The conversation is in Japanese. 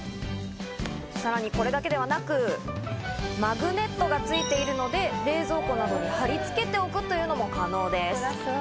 さらにこれだけではなく、マグネットがついているので冷蔵庫などに貼り付けておくというのも可能です。